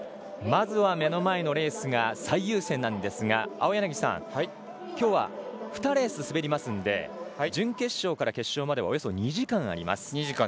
まずは目の前のレースが最優先なんですがきょうは、２レース滑りますので準決勝から決勝までおよそ２時間あります。